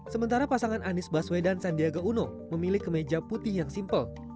sementara pasangan anis baswe dan sandiaga uno memilih kemeja putih yang simpel